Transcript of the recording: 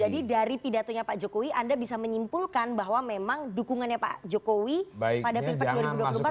jadi dari pidatonya pak jokowi anda bisa menyimpulkan bahwa memang dukungannya pak jokowi pada pilpres dua ribu dua puluh empat itu ke pak prabowo